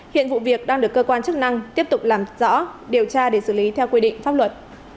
hiện vụ việc đang được cơ quan chức năng tiếp tục làm rõ điều tra để xử lý theo quy định pháp luật